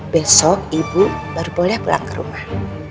besok ibu baru boleh pulang ke rumah